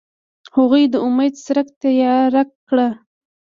هغوی د امید څرک تیاره کړ.